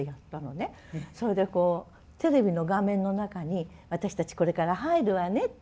それでこうテレビの画面の中に私たちこれから入るわねって。